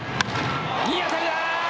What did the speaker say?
いい当たりだ！